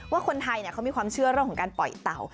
ว่าคนไทยเขามีความเชื่อเรื่องของการปล่อยเต่า